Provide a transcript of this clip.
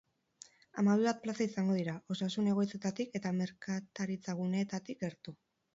Hamabi bat plaza izango dira, osasun egoitzetatik eta merkataritzaguneetatik gertu.